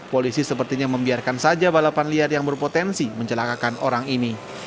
polisi sepertinya membiarkan saja balapan liar yang berpotensi mencelakakan orang ini